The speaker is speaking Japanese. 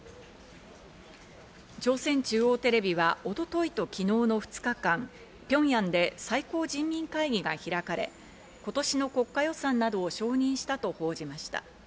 朝鮮中央テレビは一昨日と昨日の２日間、ピョンヤンで最高人民会議が開かれ、今年の国家予算などを承認したと報じました。